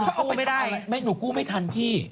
หนูกู้ไม่ทันพี่